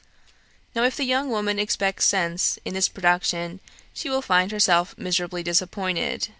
Now if the young woman expects sense in this production, she will find herself miserably disappointed.